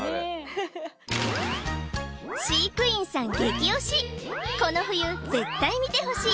飼育員さん激推しこの冬絶対見てほしい！